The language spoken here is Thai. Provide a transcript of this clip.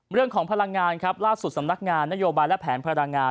พลังงานครับล่าสุดสำนักงานนโยบายและแผนพลังงาน